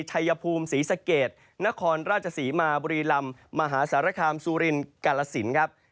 ชัยภูมิศรีสะเกดนครราชศรีมาบุรีลำมหาสารคามสุรินกาลสินครับ